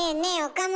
岡村。